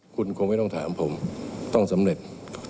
คุณคงไม่ต้องถามผมต้องสำเร็จ